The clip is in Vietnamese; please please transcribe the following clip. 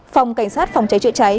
phòng cảnh sát phòng cháy chữa cháy